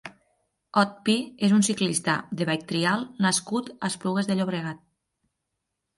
Ot Pi és un ciclista de biketrial nascut a Esplugues de Llobregat.